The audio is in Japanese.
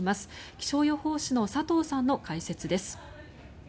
気象予報士の佐藤さんの解説です。